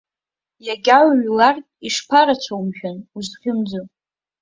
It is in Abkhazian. Иага уҩларгь, ишԥарацәоу, мшәан, узхьымӡо!